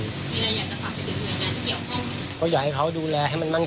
มีอะไรอยากจะฝากดูด้วยกันที่เกี่ยวห้อง